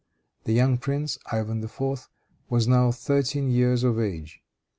The young prince, Ivan IV., was now thirteen years of age.